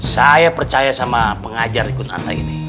saya percaya sama pengacar di kunanta ini